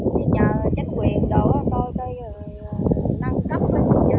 chỉ nhờ chánh quyền đổ coi cái năng cấp chơi chăm chú không tin